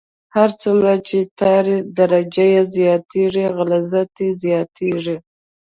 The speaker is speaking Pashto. هر څومره چې د ټار درجه زیاتیږي غلظت یې زیاتیږي